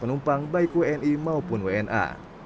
satu delapan ratus penumpang baik wni maupun wna